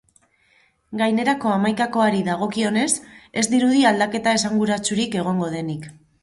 Gainerako hamaikakoari dagokionez, ez dirudi aldaketa esanguratsurik egongo denik.